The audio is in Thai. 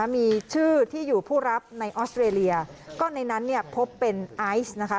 มีชื่อที่อยู่ผู้รับในออสเตรเลียก็ในนั้นเนี่ยพบเป็นไอซ์นะคะ